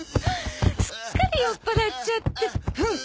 すっかり酔っぱらっちゃってうっ！？